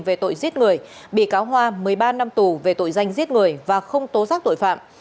về tội giết người bị cáo hoa một mươi ba năm tù về tội danh giết người và không tố giác tội phạm